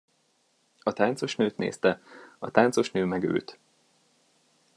A táncosnőt nézte, a táncosnő meg őt.